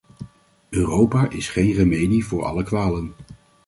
Europa is geen remedie voor alle kwalen.